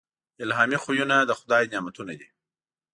الهامي خوبونه د خدای نعمتونه دي.